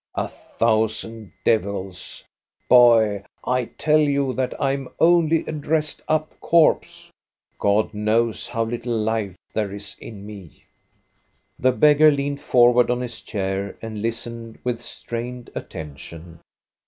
A thousand devils ! Boy, I tell you that I am only a dressed up corpse. God knows how little life there is in me." The beggar leaned forward on his chair and listened with strained attention.